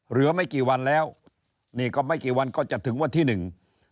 เหลือไม่กี่วันแล้วนี่ก็ไม่กี่วันก็จะถึงวันที่หนึ่ง